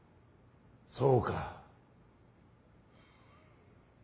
そうか。